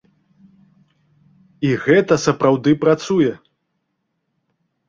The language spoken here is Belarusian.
І гэта сапраўды працуе.